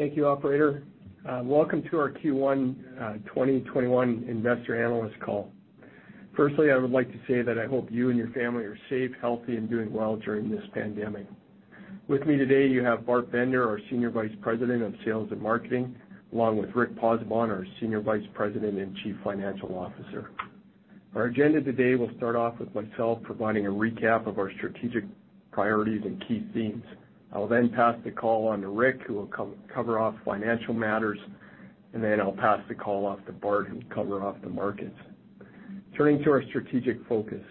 Thank you, operator. Welcome to our Q1 2021 Investor Analyst Call. Firstly, I would like to say that I hope you and your family are safe, healthy, and doing well during this pandemic. With me today, you have Bart Bender, our Senior Vice President of Sales and Marketing, along with Rick Pozzebon, our Senior Vice President and Chief Financial Officer. Our agenda today will start off with myself providing a recap of our strategic priorities and key themes. I will then pass the call on to Rick, who will cover off financial matters, and then I'll pass the call off to Bart, who will cover off the markets. Turning to our strategic focus.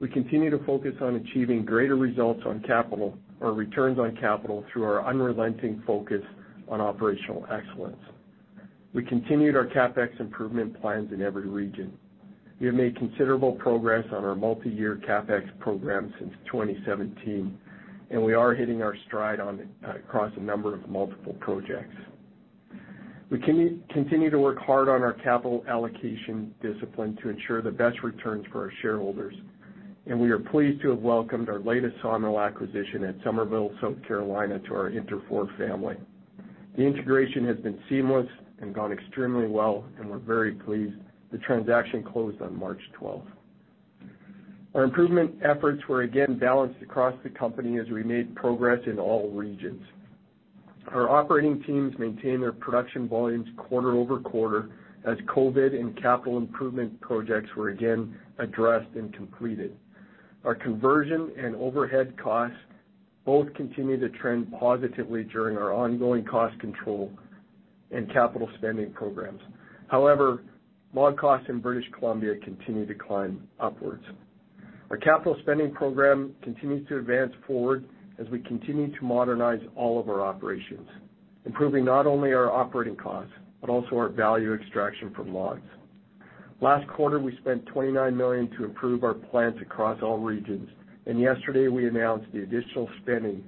We continue to focus on achieving greater results on capital or returns on capital through our unrelenting focus on operational excellence. We continued our CapEx improvement plans in every region. We have made considerable progress on our multi-year CapEx program since 2017, and we are hitting our stride on it across a number of multiple projects. We continue to work hard on our capital allocation discipline to ensure the best returns for our shareholders, and we are pleased to have welcomed our latest sawmill acquisition at Summerville, South Carolina, to our Interfor family. The integration has been seamless and gone extremely well, and we're very pleased. The transaction closed on March 12th. Our improvement efforts were again balanced across the company as we made progress in all regions. Our operating teams maintained their production volumes quarter-over-quarter, as COVID and capital improvement projects were again addressed and completed. Our conversion and overhead costs both continued to trend positively during our ongoing cost control and capital spending programs. However, log costs in British Columbia continued to climb upwards. Our capital spending program continues to advance forward as we continue to modernize all of our operations, improving not only our operating costs, but also our value extraction from logs. Last quarter, we spent 29 million to improve our plants across all regions, and yesterday, we announced the additional spending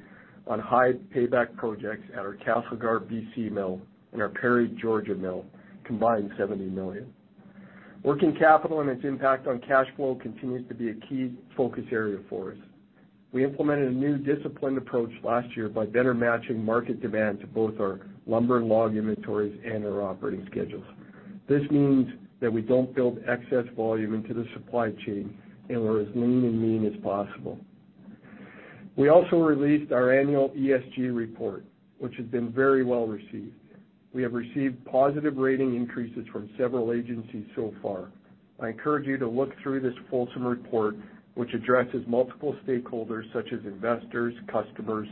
on high payback projects at our Castlegar, BC mill and our Perry, Georgia mill, combined 70 million. Working capital and its impact on cash flow continues to be a key focus area for us. We implemented a new disciplined approach last year by better matching market demand to both our lumber and log inventories and our operating schedules. This means that we don't build excess volume into the supply chain, and we're as lean and mean as possible. We also released our annual ESG report, which has been very well received. We have received positive rating increases from several agencies so far. I encourage you to look through this fulsome report, which addresses multiple stakeholders such as investors, customers,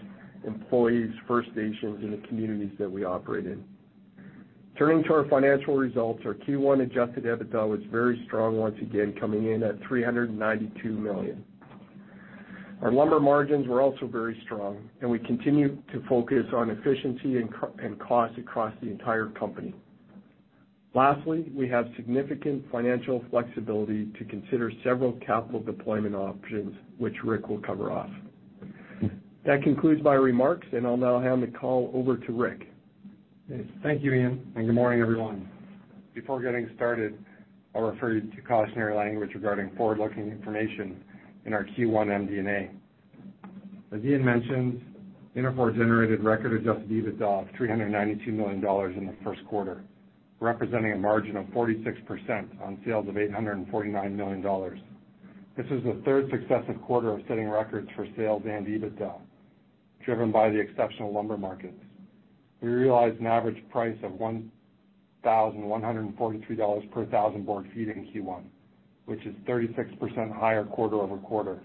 employees, First Nations, and the communities that we operate in. Turning to our financial results, our Q1 adjusted EBITDA was very strong once again, coming in at 392 million. Our lumber margins were also very strong, and we continue to focus on efficiency and cost across the entire company. Lastly, we have significant financial flexibility to consider several capital deployment options, which Rick will cover off. That concludes my remarks, and I'll now hand the call over to Rick. Thank you, Ian, and good morning, everyone. Before getting started, I'll refer you to cautionary language regarding forward-looking information in our Q1 MD&A. As Ian mentioned, Interfor generated record adjusted EBITDA of 392 million dollars in the first quarter, representing a margin of 46% on sales of 849 million dollars. This is the third successive quarter of setting records for sales and EBITDA, driven by the exceptional lumber markets. We realized an average price of 1,143 dollars per 1,000 BF in Q1, which is 36% higher quarter-over-quarter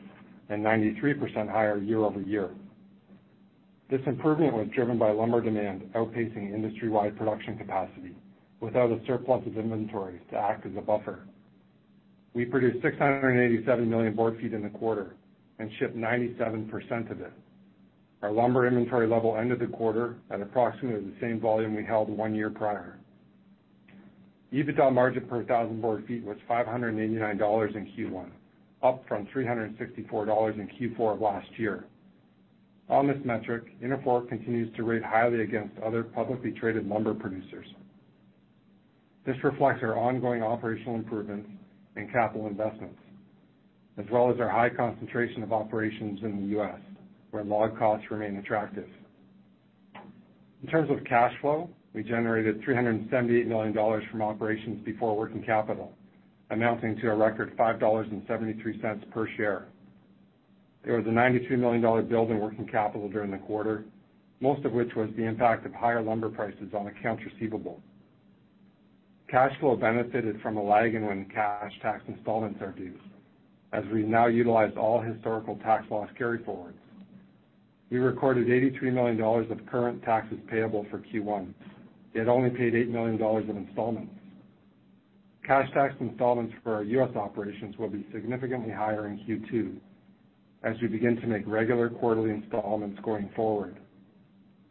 and 93% higher year-over-year. This improvement was driven by lumber demand outpacing industry-wide production capacity without a surplus of inventory to act as a buffer. We produced 687 million BF in the quarter and shipped 97% of it. Our lumber inventory level ended the quarter at approximately the same volume we held one year prior. EBITDA margin per thousand board feet was 589 dollars in Q1, up from 364 dollars in Q4 of last year. On this metric, Interfor continues to rate highly against other publicly traded lumber producers. This reflects our ongoing operational improvements and capital investments, as well as our high concentration of operations in the U.S., where log costs remain attractive. In terms of cash flow, we generated 378 million dollars from operations before working capital, amounting to a record 5.73 dollars per share. There was a 92 million dollar build in working capital during the quarter, most of which was the impact of higher lumber prices on accounts receivable. Cash flow benefited from a lag in when cash tax installments are due, as we now utilized all historical tax loss carryforwards. We recorded 83 million dollars of current taxes payable for Q1, yet only paid 8 million dollars in installments. Cash tax installments for our U.S. operations will be significantly higher in Q2 as we begin to make regular quarterly installments going forward,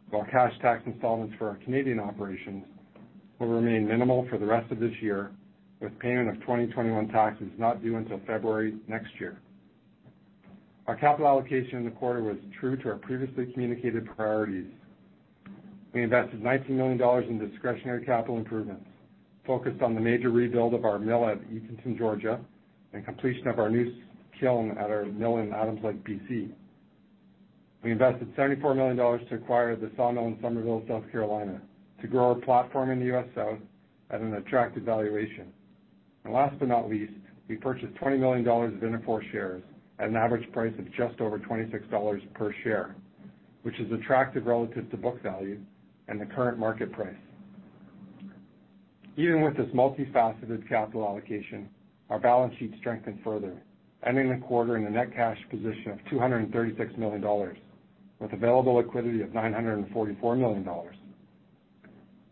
while cash tax installments for our Canadian operations will remain minimal for the rest of this year, with payment of 2021 taxes not due until February next year. Our capital allocation in the quarter was true to our previously communicated priorities. We invested 19 million dollars in discretionary capital improvements, focused on the major rebuild of our mill at Eatonton, Georgia, and completion of our new kiln at our mill in Adams Lake, B.C. We invested 74 million dollars to acquire the sawmill in Summerville, South Carolina, to grow our platform in the U.S. South at an attractive valuation. And last but not least, we purchased 20 million dollars of Interfor shares at an average price of just over 26 dollars per share, which is attractive relative to book value and the current market price. Even with this multifaceted capital allocation, our balance sheet strengthened further, ending the quarter in a net cash position of 236 million dollars, with available liquidity of 944 million dollars.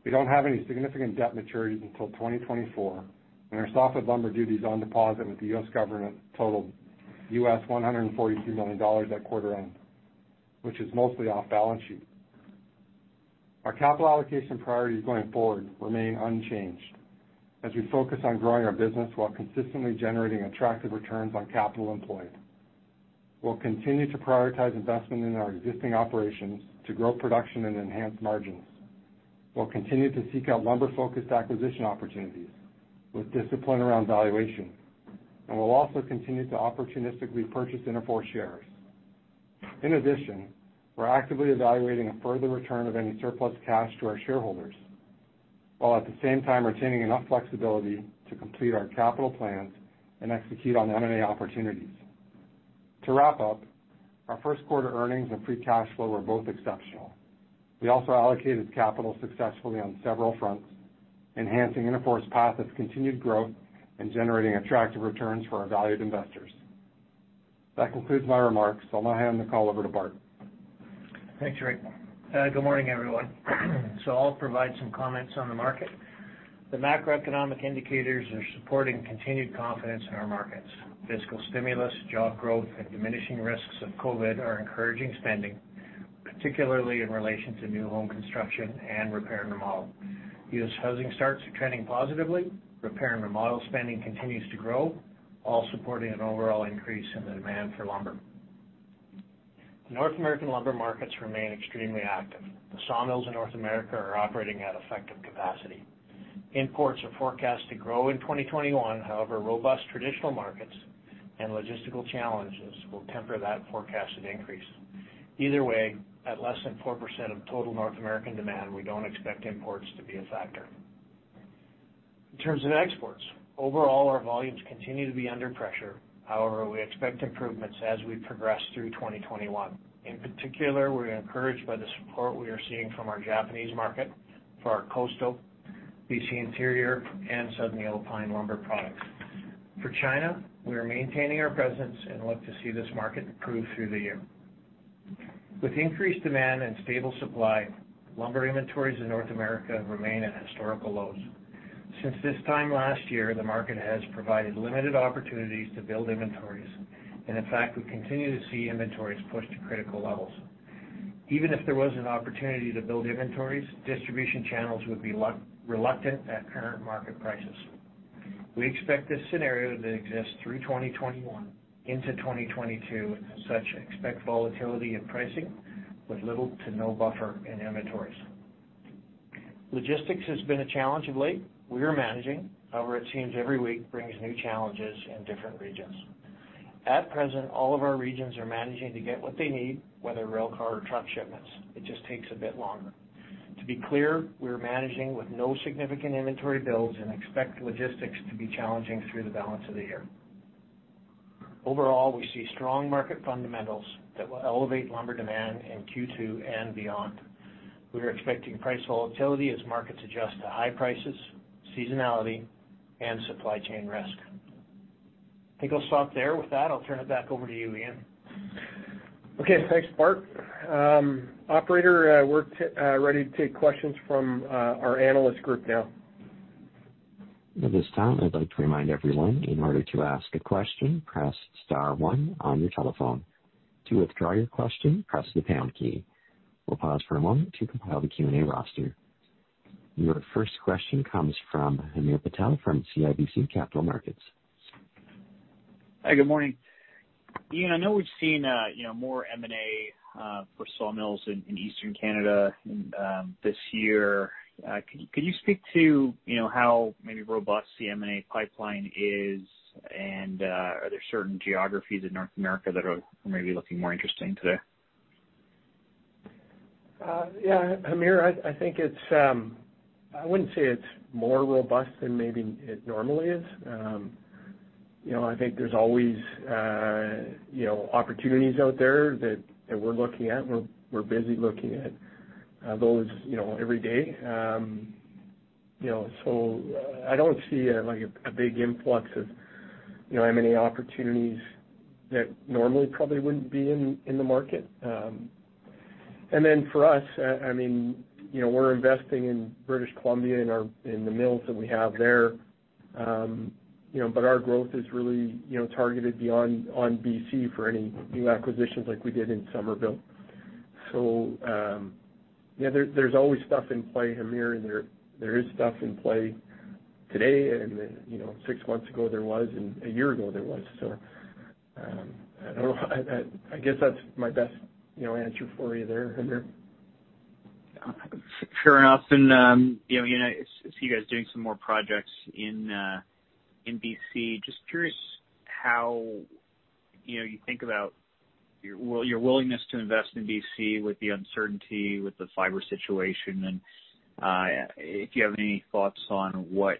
We don't have any significant debt maturities until 2024, and our softwood lumber duties on deposit with the U.S. government totaled $143 million at quarter end, which is mostly off balance sheet. Our capital allocation priorities going forward remain unchanged as we focus on growing our business while consistently generating attractive returns on capital employed. We'll continue to prioritize investment in our existing operations to grow production and enhance margins. We'll continue to seek out lumber-focused acquisition opportunities with discipline around valuation, and we'll also continue to opportunistically purchase Interfor shares. In addition, we're actively evaluating a further return of any surplus cash to our shareholders, while at the same time retaining enough flexibility to complete our capital plans and execute on M&A opportunities. To wrap up, our first quarter earnings and free cash flow were both exceptional. We also allocated capital successfully on several fronts, enhancing Interfor's path of continued growth and generating attractive returns for our valued investors. That concludes my remarks. I'll now hand the call over to Bart. Thanks, Rick. Good morning, everyone. I'll provide some comments on the market. The macroeconomic indicators are supporting continued confidence in our markets. Fiscal stimulus, job growth, and diminishing risks of COVID are encouraging spending, particularly in relation to new home construction and repair and remodel. U.S. housing starts are trending positively, repair and remodel spending continues to grow, all supporting an overall increase in the demand for lumber. The North American lumber markets remain extremely active. The sawmills in North America are operating at effective capacity. Imports are forecast to grow in 2021, however, robust traditional markets and logistical challenges will temper that forecasted increase. Either way, at less than 4% of total North American demand, we don't expect imports to be a factor. In terms of exports, overall, our volumes continue to be under pressure. However, we expect improvements as we progress through 2021. In particular, we're encouraged by the support we are seeing from our Japanese market for our coastal, B.C. Interior, and Southern Yellow Pine lumber products. For China, we are maintaining our presence and look to see this market improve through the year. With increased demand and stable supply, lumber inventories in North America remain at historical lows. Since this time last year, the market has provided limited opportunities to build inventories, and in fact, we continue to see inventories pushed to critical levels. Even if there was an opportunity to build inventories, distribution channels would be reluctant at current market prices. We expect this scenario to exist through 2021 into 2022, as such, expect volatility in pricing with little to no buffer in inventories. Logistics has been a challenge of late. We are managing, however, it seems every week brings new challenges in different regions. At present, all of our regions are managing to get what they need, whether rail car or truck shipments. It just takes a bit longer. To be clear, we are managing with no significant inventory builds and expect logistics to be challenging through the balance of the year. Overall, we see strong market fundamentals that will elevate lumber demand in Q2 and beyond. We are expecting price volatility as markets adjust to high prices, seasonality, and supply chain risk. I think I'll stop there. With that, I'll turn it back over to you, Ian. Okay, thanks, Bart. Operator, we're ready to take questions from our analyst group now. At this time, I'd like to remind everyone, in order to ask a question, press star one on your telephone. To withdraw your question, press the pound key. We'll pause for a moment to compile the Q&A roster. Your first question comes from Hamir Patel from CIBC Capital Markets. Hi, good morning. Ian, I know we've seen, you know, more M&A for sawmills in Eastern Canada this year. Can you speak to, you know, how maybe robust the M&A pipeline is? And are there certain geographies in North America that are maybe looking more interesting today? Yeah, Hamir, I think it's, I wouldn't say it's more robust than maybe it normally is. You know, I think there's always, you know, opportunities out there that we're looking at. We're busy looking at those, you know, every day. You know, so I don't see like a big influx of, you know, M&A opportunities that normally probably wouldn't be in the market. And then for us, I mean, you know, we're investing in British Columbia, in our mills that we have there. You know, but our growth is really, you know, targeted beyond B.C. for any new acquisitions like we did in Summerville. Yeah, there's always stuff in play, Hamir, and there is stuff in play today, and, you know, six months ago there was, and a year ago there was, so. I don't know. I guess that's my best, you know, answer for you there, Hamir. Fair enough. And, you know, I see you guys doing some more projects in B.C. Just curious how, you know, you think about your willingness to invest in B.C. with the uncertainty, with the fiber situation, and, if you have any thoughts on what,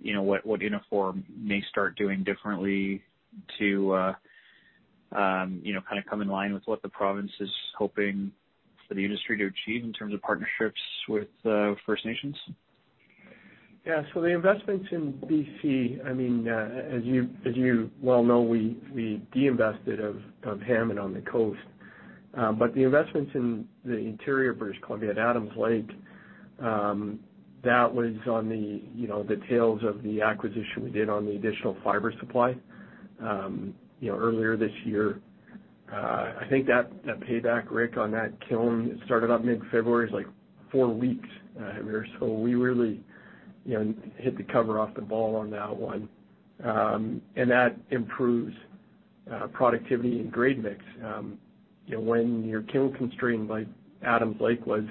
you know, what Interfor may start doing differently to, you know, kind of come in line with what the province is hoping for the industry to achieve in terms of partnerships with First Nations? Yeah. So the investments in B.C., I mean, as you, as you well know, we, we deinvested of, of Hammond on the coast. But the investments in the interior British Columbia at Adams Lake, that was on the, you know, the tails of the acquisition we did on the additional fiber supply. You know, earlier this year, I think that, that payback, Rick, on that kiln started up mid-February, is like four weeks, so we really, you know, hit the cover off the ball on that one. And that improves, productivity and grade mix. You know, when you're kiln constrained, like Adams Lake was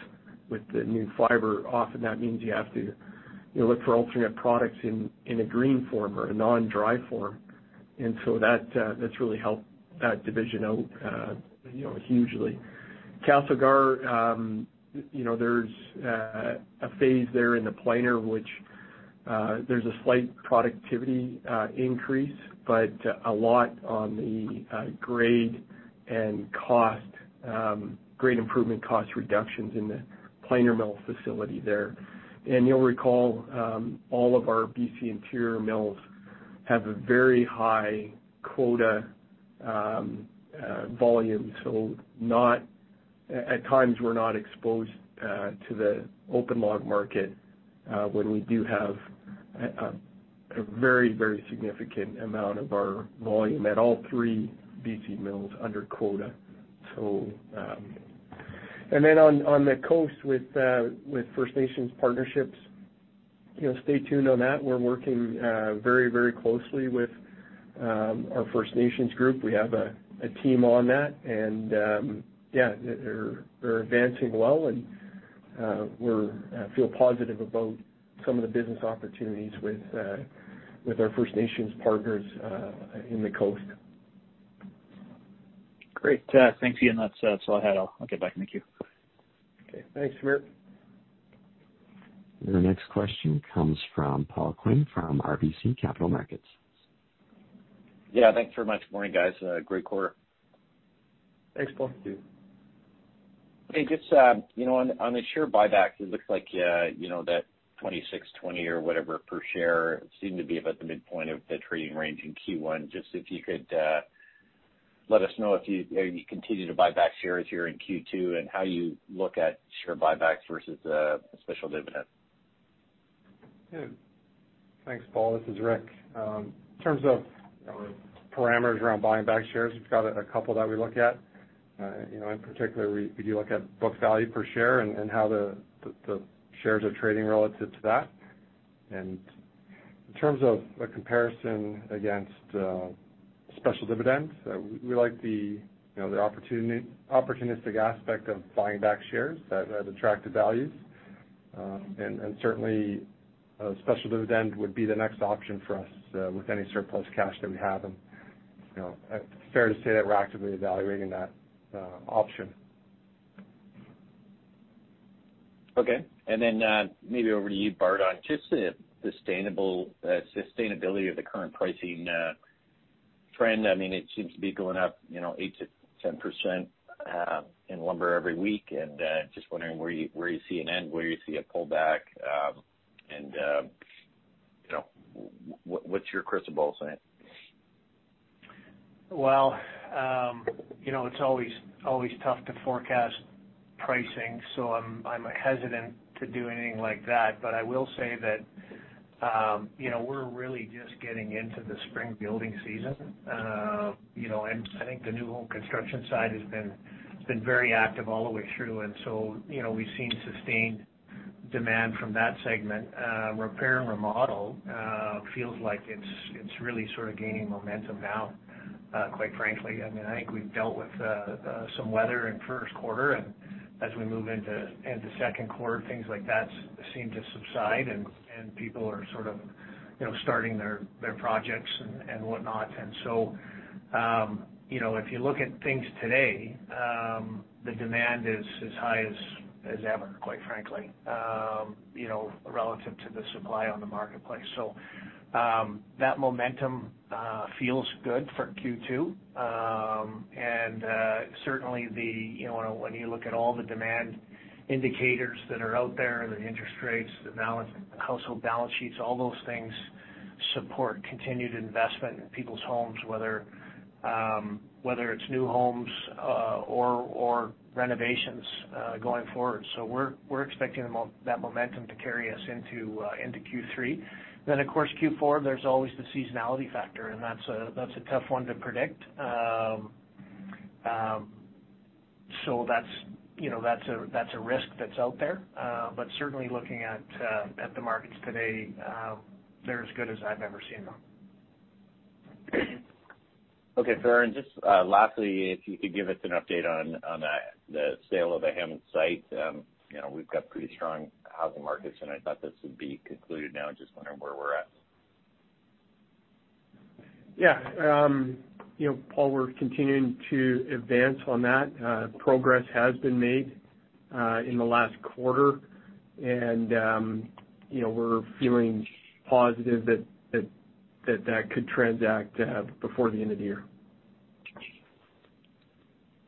with the new fiber, often that means you have to, you know, look for alternate products in, in a green form or a non-dry form. And so that's really helped that division out, you know, hugely. Castlegar, you know, there's a phase there in the planer, which there's a slight productivity increase, but a lot on the grade and cost, grade improvement, cost reductions in the planer mill facility there. And you'll recall, all of our B.C. interior mills have a very high quota volume. At times we're not exposed to the open log market when we do have a very, very significant amount of our volume at all three B.C. mills under quota. So, and then on the coast with First Nations partnerships, you know, stay tuned on that. We're working very, very closely with our First Nations group. We have a team on that, and yeah, they're advancing well, and we're feel positive about some of the business opportunities with our First Nations partners in the coast. Great. Thanks again. That's, that's all I had. I'll get back. Thank you. Okay. Thanks, Hamir. The next question comes from Paul Quinn, from RBC Capital Markets. Yeah, thanks very much. Morning, guys. Great quarter. Thanks, Paul. Thank you. Hey, just, you know, on, on the share buyback, it looks like, you know, that 26.20 or whatever per share seemed to be about the midpoint of the trading range in Q1. Just if you could, let us know if you, you continue to buy back shares here in Q2 and how you look at share buybacks versus, a special dividend? Yeah. Thanks, Paul. This is Rick. In terms of parameters around buying back shares, we've got a couple that we look at. You know, in particular, we do look at book value per share and how the shares are trading relative to that. And in terms of a comparison against special dividends, we like the, you know, the opportunistic aspect of buying back shares at attractive values. And certainly, a special dividend would be the next option for us with any surplus cash that we have. And, you know, it's fair to say that we're actively evaluating that option. Okay. And then, maybe over to you, Bart, on just the sustainable, sustainability of the current pricing, trend. I mean, it seems to be going up, you know, 8%-10% in lumber every week. And, just wondering where you, where you see an end, where you see a pullback, and, you know, what's your crystal ball saying? Well, you know, it's always tough to forecast pricing, so I'm hesitant to do anything like that. But I will say that, you know, we're really just getting into the spring building season. You know, and I think the new home construction side has been very active all the way through, and so, you know, we've seen sustained demand from that segment. Repair and remodel feels like it's really sort of gaining momentum now, quite frankly. I mean, I think we've dealt with some weather in first quarter, and as we move into second quarter, things like that seem to subside, and people are sort of, you know, starting their projects and whatnot. And so, you know, if you look at things today, the demand is as high as ever, quite frankly, you know, relative to the supply on the marketplace. So, that momentum feels good for Q2. And certainly the, you know, when you look at all the demand indicators that are out there, the interest rates, the household balance sheets, all those things support continued investment in people's homes, whether it's new homes, or renovations, going forward. So we're expecting that momentum to carry us into Q3. Then, of course, Q4, there's always the seasonality factor, and that's a tough one to predict. So that's, you know, that's a risk that's out there. But certainly looking at the markets today, they're as good as I've ever seen them. Okay, fair. Just lastly, if you could give us an update on the sale of the Hammond site. You know, we've got pretty strong housing markets, and I thought this would be concluded now. Just wondering where we're at. Yeah. You know, Paul, we're continuing to advance on that. Progress has been made in the last quarter, and, you know, we're feeling positive that that could transact before the end of the year.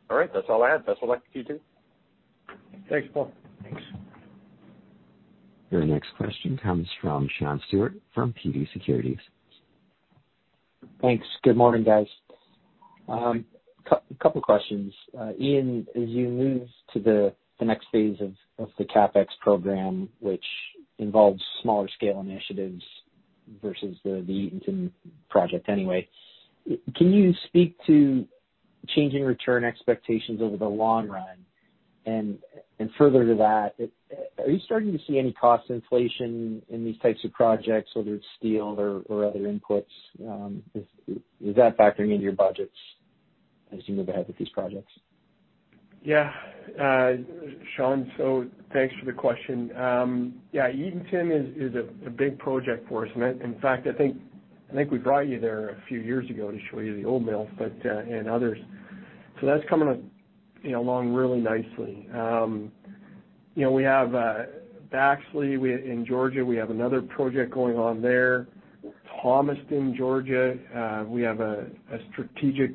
All right, that's all I had. Best of luck to you two. Thanks, Paul. Thanks. Your next question comes from Sean Steuart, from TD Securities. Thanks. Good morning, guys. Couple questions. Ian, as you move to the next phase of the CapEx program, which involves smaller scale initiatives versus the Eatonton project anyway, you can speak to changing return expectations over the long run? And further to that, are you starting to see any cost inflation in these types of projects, whether it's steel or other inputs? Is that factoring into your budgets as you move ahead with these projects? Yeah. Sean, so thanks for the question. Yeah, Eatonton is a big project for us. And in fact, I think we brought you there a few years ago to show you the old mill, but and others. So that's coming, you know, along really nicely. You know, we have Baxley in Georgia, we have another project going on there. Thomaston, Georgia, we have a strategic,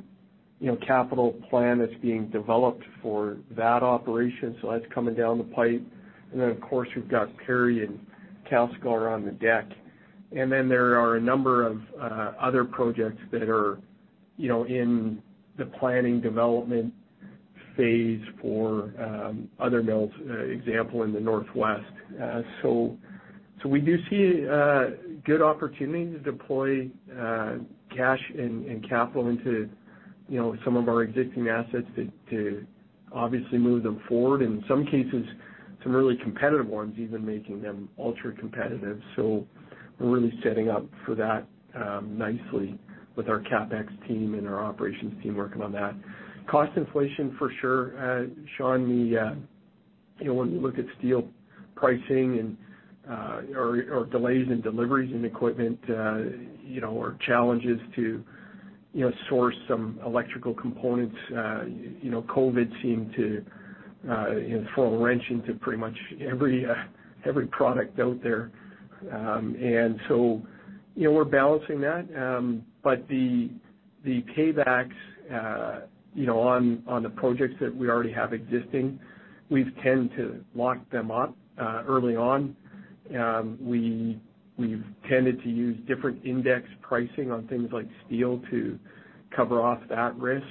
you know, capital plan that's being developed for that operation, so that's coming down the pipe. And then, of course, we've got Perry and Castlegar around the deck. And then there are a number of other projects that are, you know, in the planning development phase for other mills, example, in the Northwest. So we do see good opportunity to deploy cash and capital into, you know, some of our existing assets to obviously move them forward. In some cases, really competitive ones, even making them ultra-competitive. So we're really setting up for that nicely with our CapEx team and our operations team working on that. Cost inflation, for sure. Sean, you know, when you look at steel pricing and or delays in deliveries and equipment, you know, or challenges to, you know, source some electrical components, you know, COVID seemed to, you know, throw a wrench into pretty much every every product out there. And so, you know, we're balancing that. But the paybacks, you know, on the projects that we already have existing, we've tend to lock them up early on. We've tended to use different index pricing on things like steel to cover off that risk.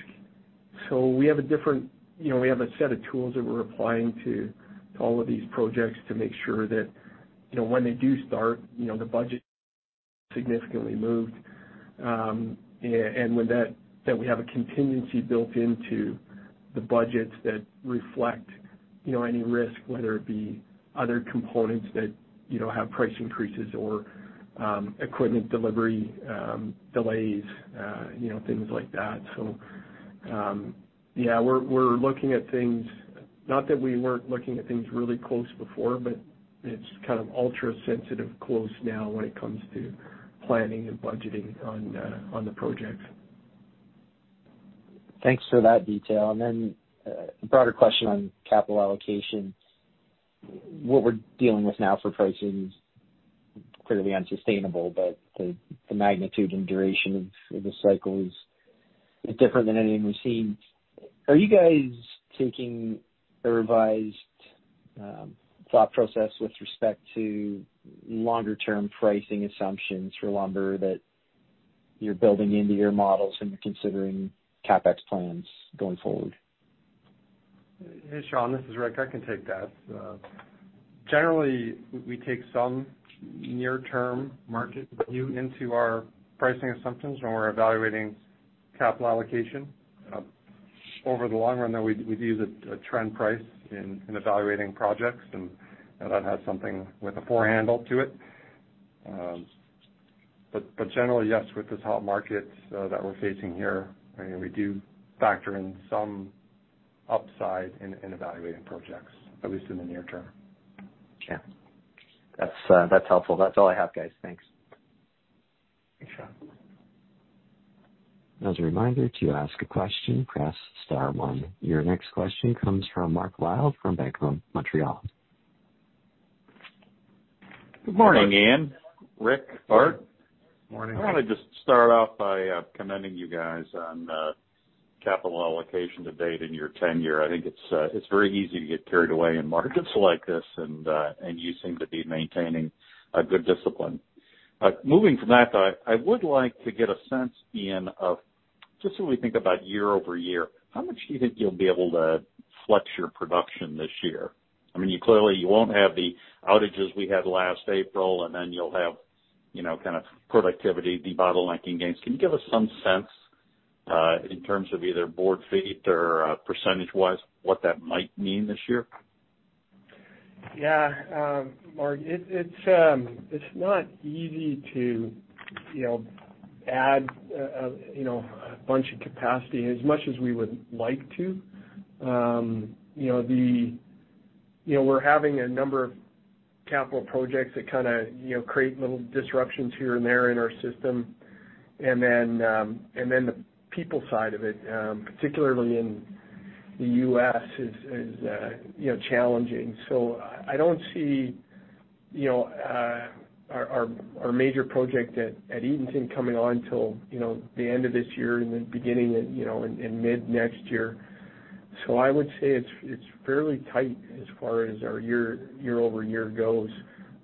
So we have a different, you know, we have a set of tools that we're applying to all of these projects to make sure that, you know, when they do start, you know, the budget significantly moved. And with that, that we have a contingency built into the budgets that reflect, you know, any risk, whether it be other components that, you know, have price increases or equipment delivery delays, you know, things like that. So yeah, we're looking at things. Not that we weren't looking at things really close before, but it's kind of ultra-sensitive close now when it comes to planning and budgeting on, on the projects. Thanks for that detail. And then, a broader question on capital allocation. What we're dealing with now for pricing is clearly unsustainable, but the magnitude and duration of the cycle is different than anything we've seen. Are you guys taking a revised thought process with respect to longer-term pricing assumptions for lumber, that you're building into your models and you're considering CapEx plans going forward? Hey, Sean, this is Rick. I can take that. Generally, we take some near-term market view into our pricing assumptions when we're evaluating capital allocation. Over the long run, though, we'd use a trend price in evaluating projects, and that has something with a four handle to it. But generally, yes, with this hot market that we're facing here, I mean, we do factor in some upside in evaluating projects, at least in the near term. Yeah. That's, that's helpful. That's all I have, guys. Thanks. Thanks, Sean. As a reminder, to ask a question, press star one. Your next question comes from Mark Wilde, from Bank of Montreal. Good morning, Ian, Rick, Bart. Morning. I wanna just start off by commending you guys on capital allocation to date in your tenure. I think it's very easy to get carried away in markets like this, and you seem to be maintaining a good discipline. Moving from that, I would like to get a sense, Ian, of just so we think about year-over-year, how much do you think you'll be able to flex your production this year? I mean, you clearly, you won't have the outages we had last April, and then you'll have, you know, kind of productivity, debottlenecking gains. Can you give us some sense, in terms of either BF or, percentage-wise, what that might mean this year? Yeah, Mark, it's not easy to, you know, add, you know, a bunch of capacity as much as we would like to. You know, we're having a number of capital projects that kind of, you know, create little disruptions here and there in our system. And then the people side of it, particularly in the U.S., is, you know, challenging. So I don't see, you know, our major project at Eatonton coming on until, you know, the end of this year and the beginning of, you know, and mid-next year. So I would say it's fairly tight as far as our year-over-year goes.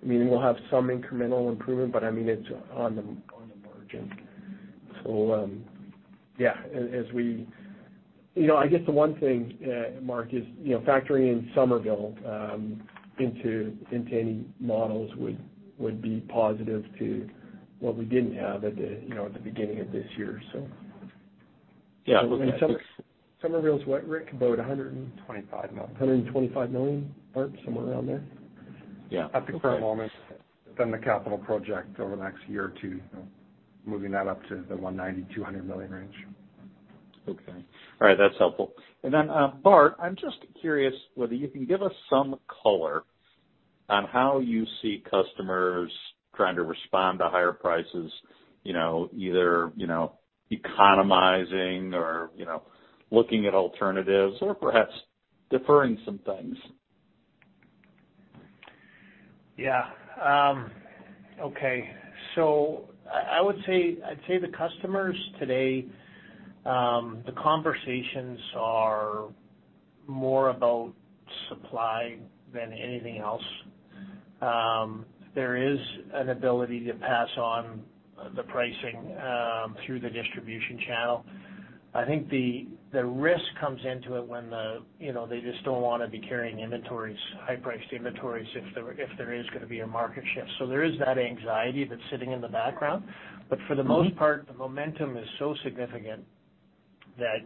I mean, we'll have some incremental improvement, but I mean, it's on the margin. So, yeah, as we. You know, I guess the one thing, Mark, is, you know, factoring in Summerville into any models would be positive to what we didn't have at the beginning of this year, so. Yeah, I mean, it. Summerville's what, Rick? About 125 million. 125 million, Bart, somewhere around there? Yeah. At the current moment, then the capital project over the next year or two, you know, moving that up to the 190 million-200 million range. Okay. All right, that's helpful. And then, Bart, I'm just curious whether you can give us some color on how you see customers trying to respond to higher prices, you know, either, you know, economizing or, you know, looking at alternatives or perhaps deferring some things. Yeah. Okay. So I would say, I'd say the customers today, the conversations are more about supply than anything else. There is an ability to pass on the pricing through the distribution channel. I think the risk comes into it when, you know, they just don't want to be carrying inventories, high-priced inventories, if there, if there is gonna be a market shift. So there is that anxiety that's sitting in the background. But for the most part, the momentum is so significant that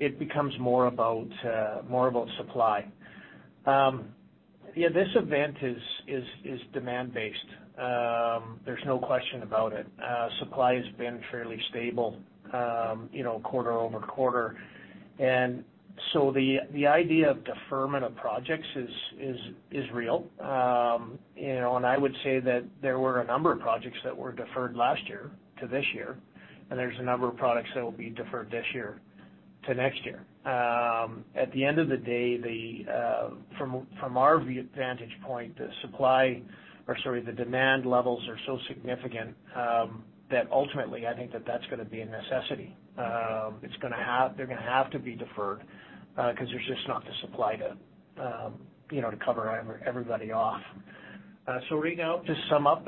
it becomes more about, more about supply. Yeah, this event is demand-based. There's no question about it. Supply has been fairly stable, you know, quarter-over-quarter. And so the idea of deferment of projects is real. You know, and I would say that there were a number of projects that were deferred last year to this year, and there's a number of products that will be deferred this year to next year. At the end of the day, from our vantage point, the supply, or sorry, the demand levels are so significant that ultimately, I think that that's gonna be a necessity. It's gonna have-- they're gonna have to be deferred, 'cause there's just not the supply to you know, to cover everybody off. So right now, to sum up,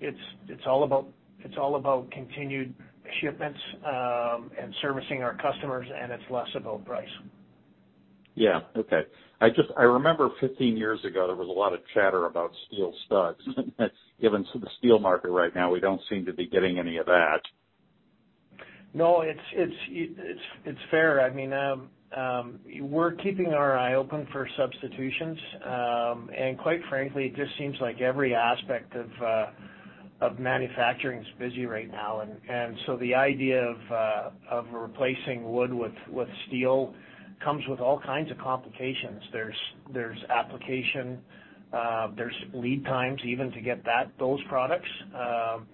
it's all about continued shipments and servicing our customers, and it's less about price. Yeah. Okay. I just, I remember 15 years ago, there was a lot of chatter about steel studs. Given the steel market right now, we don't seem to be getting any of that. No, it's fair. I mean, we're keeping our eye open for substitutions. And quite frankly, it just seems like every aspect of manufacturing is busy right now. And so the idea of replacing wood with steel comes with all kinds of complications. There's application, there's lead times even to get those products.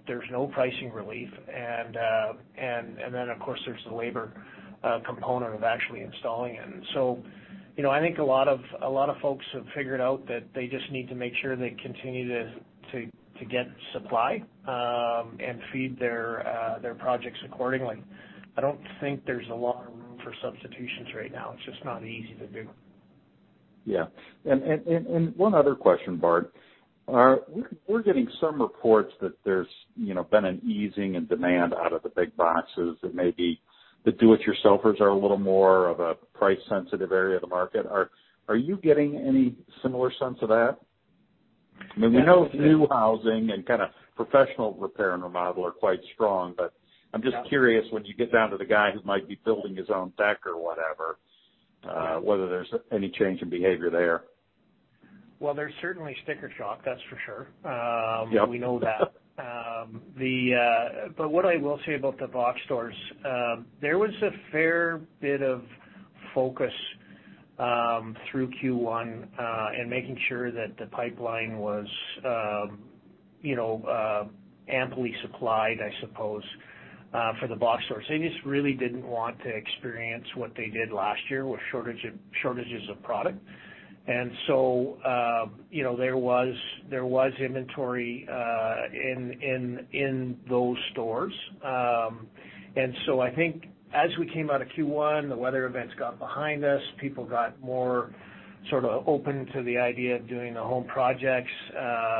There's no pricing relief, and then, of course, there's the labor component of actually installing it. So, you know, I think a lot of folks have figured out that they just need to make sure they continue to get supply and feed their projects accordingly. I don't think there's a lot of room for substitutions right now. It's just not easy to do. Yeah. And one other question, Bart. We're getting some reports that there's, you know, been an easing in demand out of the big boxes and maybe the do-it-yourselfers are a little more of a price-sensitive area of the market. Are you getting any similar sense of that? I mean, we know new housing and kind of professional repair and remodel are quite strong, but I'm just curious, once you get down to the guy who might be building his own deck or whatever, whether there's any change in behavior there. Well, there's certainly sticker shock, that's for sure. Yeah. We know that. But what I will say about the box stores, there was a fair bit of focus through Q1 in making sure that the pipeline was, you know, amply supplied, I suppose, for the box stores. They just really didn't want to experience what they did last year with shortage of--shortages of product. And so, you know, there was inventory in those stores. And so I think as we came out of Q1, the weather events got behind us, people got more sort of open to the idea of doing the home projects.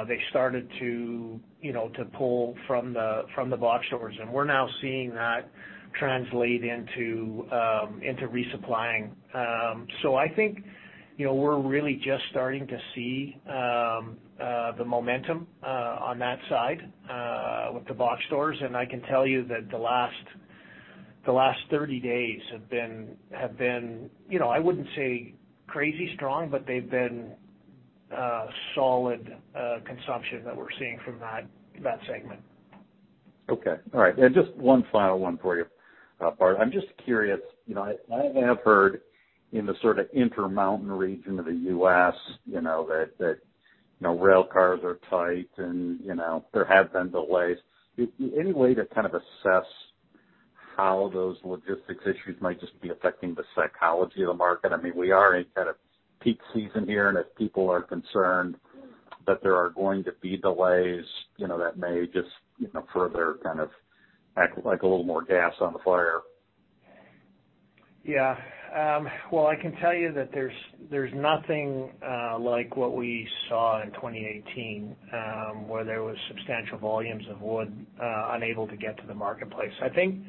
They started to, you know, to pull from the box stores, and we're now seeing that translate into resupplying. So I think, you know, we're really just starting to see. The momentum on that side with the box stores, and I can tell you that the last 30 days have been, you know, I wouldn't say crazy strong, but they've been solid consumption that we're seeing from that segment. Okay. All right, and just one final one for you, Bart. I'm just curious, you know, I have heard in the sort of Intermountain region of the U.S., you know, that you know, rail cars are tight and, you know, there have been delays. Any way to kind of assess how those logistics issues might just be affecting the psychology of the market? I mean, we are in kind of peak season here, and if people are concerned that there are going to be delays, you know, that may just, you know, further kind of act like a little more gas on the fire. Yeah. Well, I can tell you that there's nothing like what we saw in 2018, where there was substantial volumes of wood unable to get to the marketplace. I think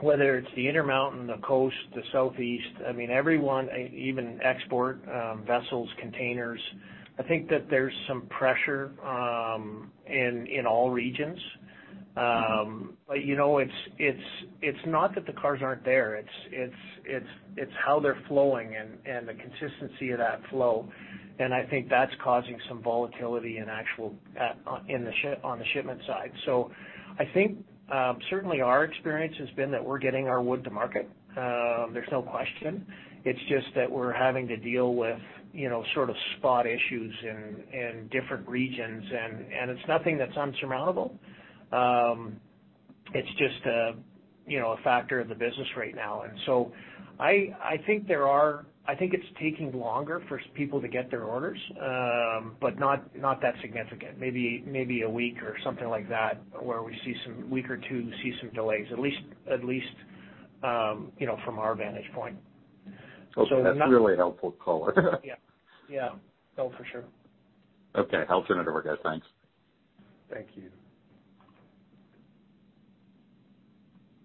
whether it's the Intermountain, the Coast, the Southeast, I mean, everyone, even export vessels, containers, I think that there's some pressure in all regions. But you know, it's not that the cars aren't there, it's how they're flowing and the consistency of that flow, and I think that's causing some volatility in actual on the shipment side. So I think certainly our experience has been that we're getting our wood to market. There's no question. It's just that we're having to deal with, you know, sort of spot issues in different regions, and it's nothing that's insurmountable. It's just a, you know, a factor of the business right now. And so I, I think there are. I think it's taking longer for people to get their orders, but not that significant. Maybe a week or something like that, where we see some, a week or two, we see some delays, at least, you know, from our vantage point. So not. Okay, that's really helpful color. Yeah. Yeah. Oh, for sure. Okay. I'll turn it over, guys. Thanks. Thank you.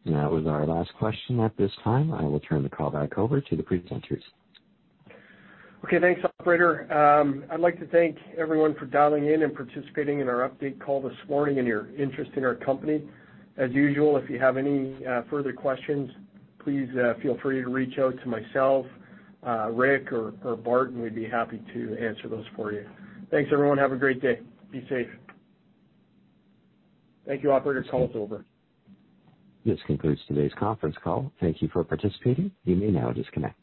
That was our last question at this time. I will turn the call back over to the presenters. Okay, thanks, operator. I'd like to thank everyone for dialing in and participating in our update call this morning and your interest in our company. As usual, if you have any further questions, please feel free to reach out to myself, Rick or Bart, and we'd be happy to answer those for you. Thanks, everyone. Have a great day. Be safe. Thank you, operator. Call is over. This concludes today's conference call. Thank you for participating. You may now disconnect.